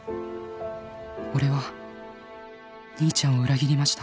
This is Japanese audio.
「俺は兄ちゃんを裏切りました」